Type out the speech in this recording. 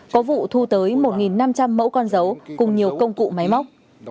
có vụ thu tới một năm trăm linh mẫu con dấu cùng nhiều công cụ máy móc